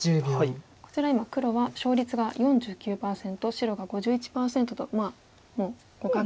こちら今黒は勝率が４９％白が５１％ともう互角ですね。